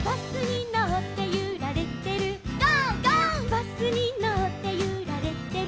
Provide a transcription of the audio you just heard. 「バスにのってゆられてる」